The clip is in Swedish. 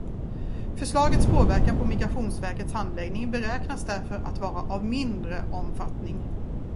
Förslagets påverkan på Migrationsverkets handläggning beräknas därför att vara av mindre omfattning.